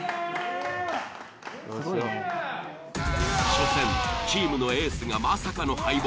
初戦チームのエースがまさかの敗北。